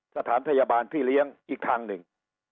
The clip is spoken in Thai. สถานพยาบาลพี่เลี้ยงอีกทางหนึ่ง